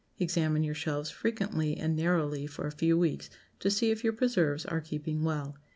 Examine your shelves frequently and narrowly for a few weeks to see if your preserves are keeping well.